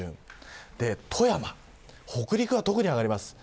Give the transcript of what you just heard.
富山、北陸は特に上がります。